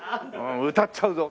歌っちゃうぞ！